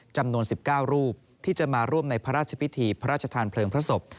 จำนวน๑๙รูปที่จะมาร่วมในพระราชพิธีพระราชทานเพลิงพระศพ